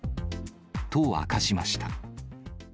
と明かしました。